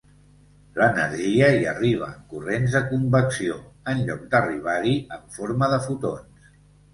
L'energia hi arriba en corrents de convecció, en lloc d'arribar-hi en forma de fotons.